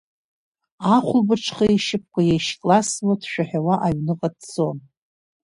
Ахәылбыҽха ишьапқәа еишькласуа, дшәаҳәауа аҩныҟа дцон.